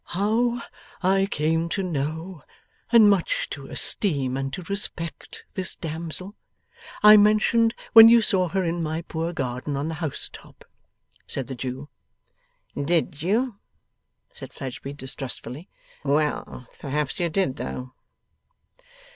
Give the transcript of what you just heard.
'How I came to know, and much to esteem and to respect, this damsel, I mentioned when you saw her in my poor garden on the house top,' said the Jew. 'Did you?' said Fledgeby, distrustfully. 'Well. Perhaps you did, though.